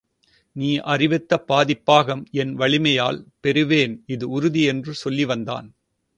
நீ அறிவித்த பாதிப்பாகம் என் வலிமையால் பெறுவேன் இது உறுதி என்று சொல்லி வந்தான்.